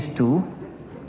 saya pernah ke